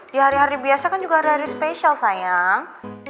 di hari hari biasa kan juga hari hari spesial sayang